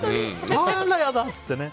あらやだっつってね。